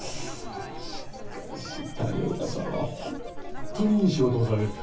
しかし谷岡さんはホンットにいい仕事をされる。